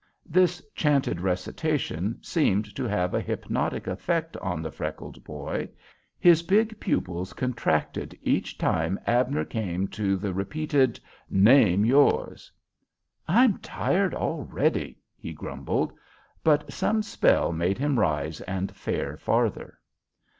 '" This chanted recitation seemed to have a hypnotic effect on the freckled boy; his big pupils contracted each time Abner came to the repetend, "Name yours." "I'm tired already," he grumbled; but some spell made him rise and fare farther.